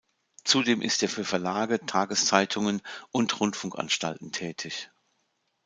Zudem ist er für Verlage, Tageszeitungen und Rundfunkanstalten tätig.